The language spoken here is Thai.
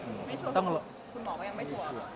ไม่ชัวร์คุณหมอก็ยังไม่ชัวร์